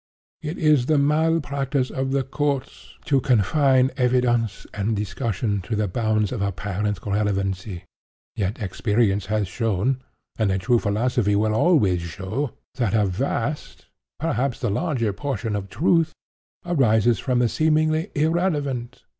It is the mal practice of the courts to confine evidence and discussion to the bounds of apparent relevancy. Yet experience has shown, and a true philosophy will always show, that a vast, perhaps the larger portion of truth, arises from the seemingly irrelevant.